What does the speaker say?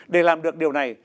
để làm được điều này